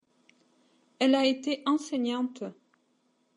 Elle a été enseignante.